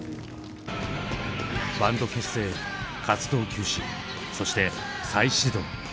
バンド結成活動休止そして再始動。